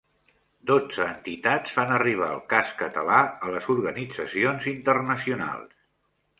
Dotze entitats fan arribar el cas català a les organitzacions internacionals